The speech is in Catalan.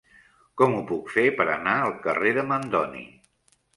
Com ho puc fer per anar al carrer de Mandoni?